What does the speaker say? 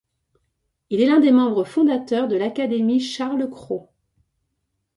Il est l'un des membres fondateurs de l'académie Charles-Cros.